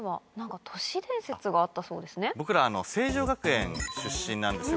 僕ら成城学園出身なんですよ